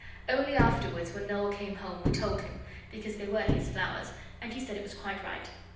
Only afterwards when Noel came home we told him, because they were his flowers, and he said it was quite right.